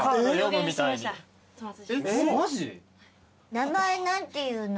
名前何ていうの？